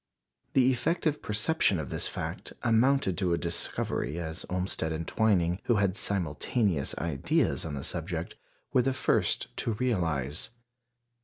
The effective perception of this fact amounted to a discovery, as Olmsted and Twining, who had "simultaneous ideas" on the subject, were the first to realize.